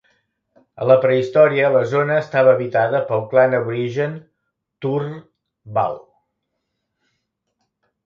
A la prehistòria, la zona estava habitada pel clan aborigen Turrbal.